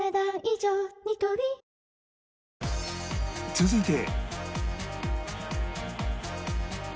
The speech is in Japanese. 続いて